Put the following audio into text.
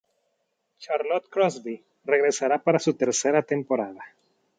Charlotte Crosby regresará para su tercera temporada.